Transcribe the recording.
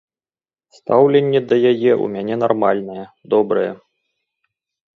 Стаўленне да яе ў мяне нармальнае, добрае.